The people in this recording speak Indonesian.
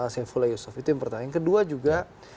saifullah yusuf itu yang pertama yang kedua juga